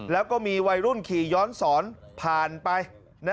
แล้วก็มีวัยรุ่นขี่ย้อนสอนผ่านไป